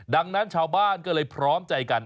ดังนั้นชาวบ้านก็เลยพร้อมใจกัน